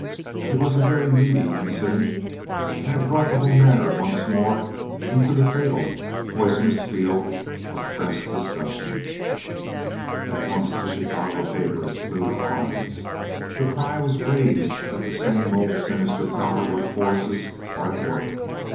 It was a very meaty incident; and it brought the whole matter once more into the fatal, poisonous field of press discussion. At once the Chicago papers flew to arms. The cry was raised that the same old sinister Cowperwoodian forces were at work.